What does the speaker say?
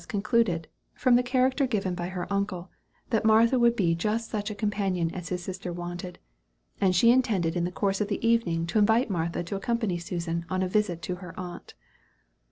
concluded, from the character given her by her uncle, that Martha would be just such a companion as her sister wanted; and she intended in the course of the evening to invite Martha to accompany Susan on a visit to her aunt.